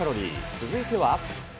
続いては。